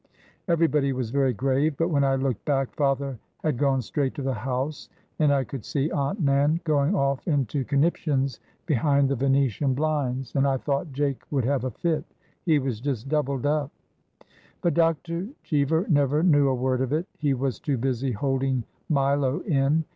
Every body was very grave ; but when I looked back, father had gone straight to the house, and I could see Aunt Nan going off into conniptions behind the Venetian bUnds, A PEN AND INK SKETCH 119 and I thought Jake would have a fit ! He was just doubled up! '' But Dr. Cheever never knew a word of it. Pie was too busy holding Milo in.